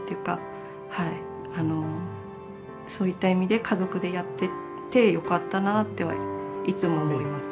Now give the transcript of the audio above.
そういった意味で家族でやっていてよかったなっていつも思います。